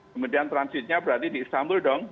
kemudian transitnya berarti di istanbul dong